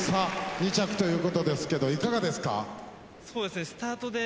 ２着という事ですけどいかがですか？